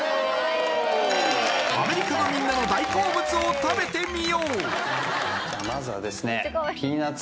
アメリカのみんなの大好物を食べてみようじゃあまずはですね